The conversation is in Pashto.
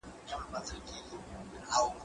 زه کولای سم مړۍ وخورم؟!